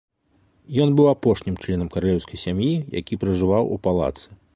Ён быў апошнім членам каралеўскай сям'і, які пражываў у палацы.